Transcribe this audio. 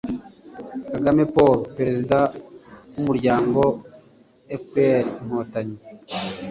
kagame paul perezida w'umuryango fpr-inkotanyi